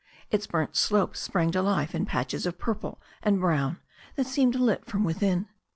Its burnt slopes sprang to life in patches of purple and brown that seemed lit from within.